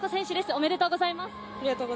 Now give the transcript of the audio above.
おめでとうございます。